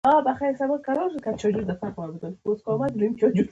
کروندګر د خپل وطن د پرمختګ په لور کار کوي